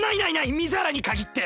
水原にかぎって！